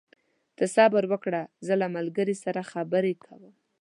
ته صبر وکړه، زه له ملګري سره خبرې کوم.